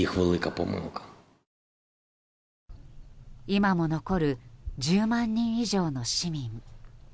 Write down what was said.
今も残る１０万人以上の市民。